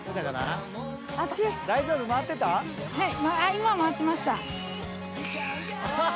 今回ってました。